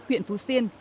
huyện phú siên